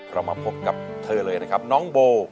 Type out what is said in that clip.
เรามาพบกับเธอเลยนะครับน้องโบ